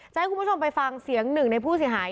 ให้คุณผู้ชมไปฟังเสียงหนึ่งในผู้เสียหาย